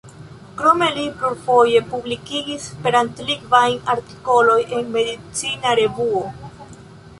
Krome li plurfoje publikigis esperantlingvajn artikolojn en Medicina Revuo.